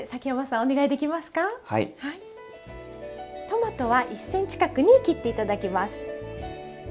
トマトは１ｃｍ角に切って頂きます。